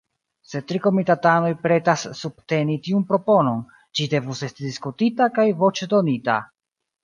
Se tri komitatanoj pretas subteni tiun proponon, ĝi devus esti diskutita kaj voĉdonita.